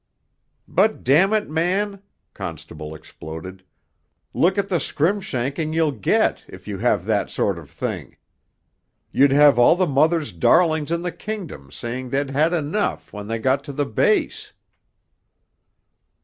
'But damn it, man,' Constable exploded, 'look at the skrim shanking you'll get if you have that sort of thing. You'd have all the mothers' darlings in the kingdom saying they'd had enough when they got to the Base.'